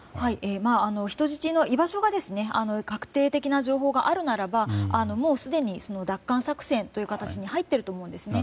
人質の居場所が確定的な情報があるならばもう、すでに奪還作戦という形に入っていると思うんですね。